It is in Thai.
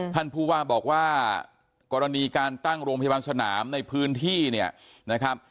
ท่านผู้ว่าบอกว่ากรณีการตั้งโรงพยาบาลสนามในพื้นที่เนี่ยนะครับ